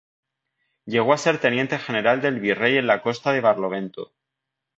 Llegó a ser teniente general del Virrey en la Costa de Barlovento.